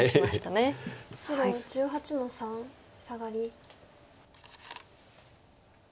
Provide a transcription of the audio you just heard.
白１８の三サガリ。